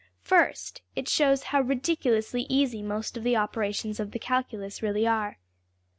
First, it shows how ridiculously easy most of the operations of the calculus really are.